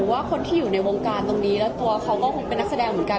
ว่าคนที่อยู่ในวงการตรงนี้แล้วตัวเขาก็คงเป็นนักแสดงเหมือนกัน